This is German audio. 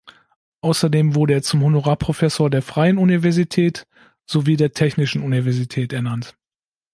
Außerdem wurde er zum Honorarprofessor der Freien Universität sowie der Technischen Universität ernannt.